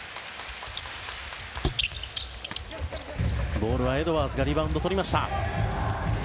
ボールはエドワーズがリバウンドとりました。